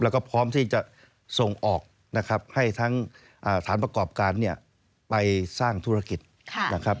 แล้วก็พร้อมที่จะส่งออกนะครับให้ทั้งฐานประกอบการเนี่ยไปสร้างธุรกิจนะครับ